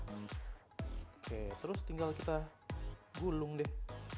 oke terus tinggal kita gulung deh